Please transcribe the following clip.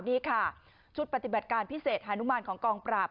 นี่ค่ะชุดปฏิบัติการพิเศษฮานุมานของกองปราบ